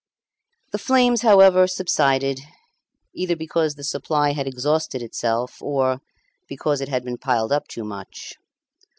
The flames, however, subsided, either because the supply had exhausted itself, or because it had been piled up too much.